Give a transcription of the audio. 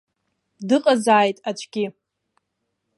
Дыҟазааит аӡәгьы.